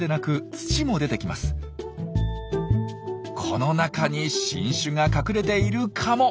この中に新種が隠れているかも！